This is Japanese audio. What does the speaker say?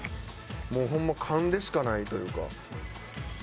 もうホンマ勘でしかないというか。